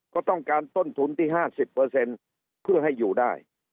ก็ต้องการต้นทุนที่๕๐เพื่อให้อยู่ได้